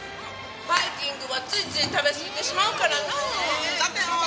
バイキングはついつい食べ過ぎてしまうからなぁ。